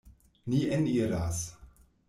Ni eniras.